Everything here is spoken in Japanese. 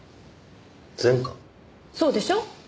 そうでしょ？